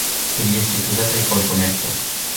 Ili estis uzataj por komerco.